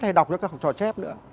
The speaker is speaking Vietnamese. hay đọc cho các học trò chép nữa